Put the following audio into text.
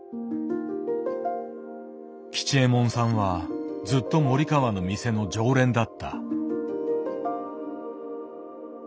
吉右衛門さんはずっと森川の店の常連だった。